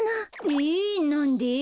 えなんで？